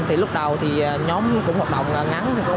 thì lúc đầu thì nhóm cũng hoạt động ngắn